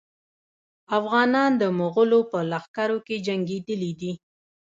افغانان د مغولو په لښکرو کې جنګېدلي دي.